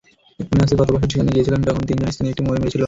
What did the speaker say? মনে আছে, গত বছর সেখানে গিয়েছিলাম যখন তিনজন স্থানীয়, একটা ময়ূর মেরেছিল।